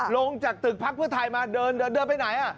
ลงจากตึกพักพืชไทยมาเดินไปไหนอย่างนี้